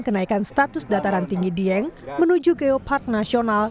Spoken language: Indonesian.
kenaikan status dataran tinggi dieng menuju geopark nasional